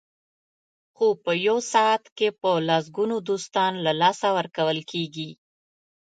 خو په یو ساعت کې په لسګونو دوستان له لاسه ورکول کېږي.